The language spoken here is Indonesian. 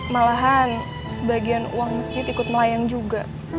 malahan sebagian uang masjid ikut melayang juga